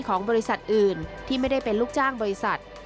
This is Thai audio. ของบริษัทอื่นที่ไม่ได้เป็นลูกจ้างบริษัท